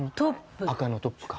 赤のトップか。